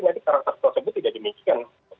nanti karakter tersebut tidak demikian